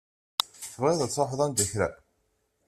Tebɣiḍ ad truḥeḍ anda kra?